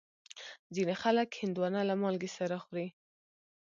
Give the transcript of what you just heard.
ځینې خلک هندوانه له مالګې سره خوري.